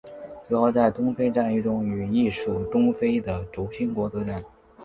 主要在东非战役中与意属东非的轴心国作战。